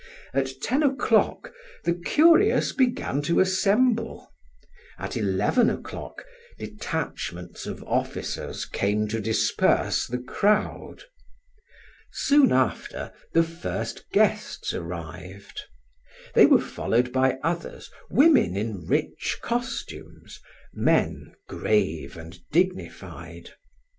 At ten o'clock the curious began to assemble; at eleven o'clock, detachments of officers came to disperse the crowd. Soon after, the first guests arrived; they were followed by others, women in rich costumes, men, grave and dignified.